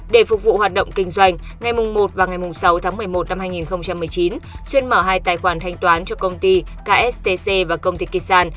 để phục vụ hoạt động kinh doanh ngày một và ngày sáu tháng một mươi một năm hai nghìn một mươi chín xuyên mở hai tài khoản thanh toán cho công ty kstc và công ty kisan